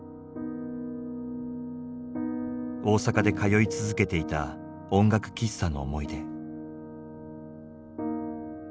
大阪で通い続けていた音楽喫茶の思い出。